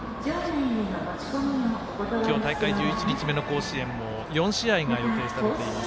今日大会１１日目の甲子園４試合が予定されています。